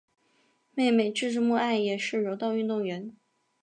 妹妹志志目爱也是柔道运动员。